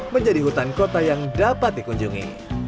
menjadi hutan kota yang dapat dikunjungi